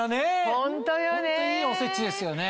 ホントいいおせちですよね。